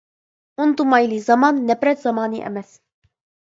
ئۇنتۇمايلى، زامان نەپرەت زامانى ئەمەس.